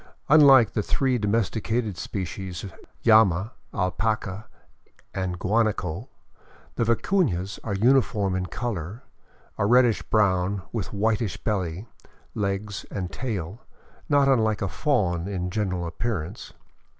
Unlike the three domesticated species, llama, alpaca, and guanaco, the vicunas are uniform in color, a reddish brown with whitish belly, legs, and tail, not unlike a fawn in general appearance.